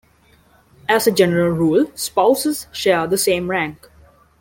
As a general rule, spouses share the same rank.